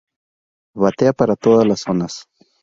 Batea para todas las zonas.